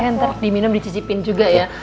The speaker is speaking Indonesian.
iya ntar di minum di cicipin juga ya